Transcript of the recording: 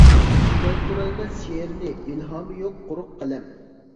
كەلتۈرەلمەس شېئىرنى، ئىلھامى يوق قۇرۇق قەلەم.